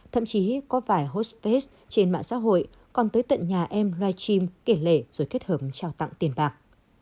thậm chí có vài host face trên mạng xã hội còn tới tận nhà em loài chim kể lệ rồi kết hợp trao tặng tiền bạc